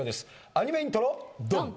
アニメイントロドン！